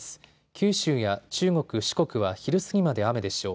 九州や中国、四国は昼過ぎまで雨でしょう。